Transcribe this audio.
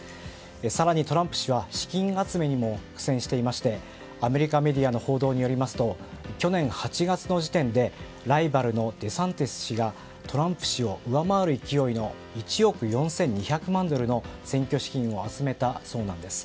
更にトランプ氏は資金集めにも苦戦していてアメリカメディアの報道によりますと去年８月の時点でライバルのデサンティス氏がトランプ氏を上回る勢いの１億４２００万ドルの選挙資金を集めたそうなんです。